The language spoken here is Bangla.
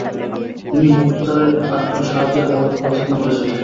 তিনি মুখতারের পাঠানো সাহায্যের আবেদন প্রত্যাখ্যান করেছিলেন।